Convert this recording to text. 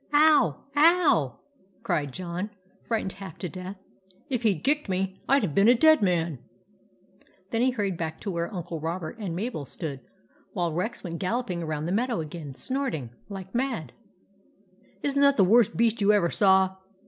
" Ow ! ow !" cried John, frightened half to death. "If he'd kicked me, I'd have been a dead man !" Then he hurried back to where Uncle Robert and Mabel stood, while Rex went galloping around the meadow again, snort ing like mad. " Is n't that the worst beast you ever saw?"